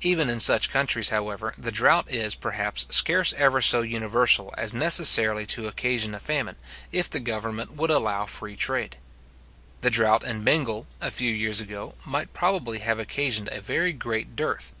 Even in such countries, however, the drought is, perhaps, scarce ever so universal as necessarily to occasion a famine, if the government would allow a free trade. The drought in Bengal, a few years ago, might probably have occasioned a very great dearth.